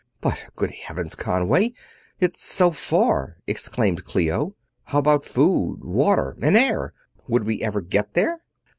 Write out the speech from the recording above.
"But good Heavens, Conway, it's so far!" exclaimed Clio. "How about food, water, and air would we ever get there?"